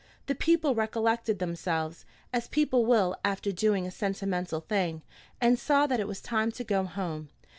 The people recollected themselves, as people will after doing a sentimental thing, and saw that it was time to go home.